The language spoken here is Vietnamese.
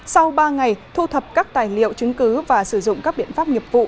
sau ba ngày thu thập các tài liệu chứng cứ và sử dụng các biện pháp nghiệp vụ